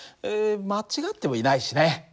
間違ってもいないしね。